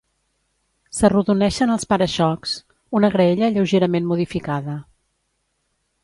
S'arrodoneixen els para-xocs, una graella lleugerament modificada.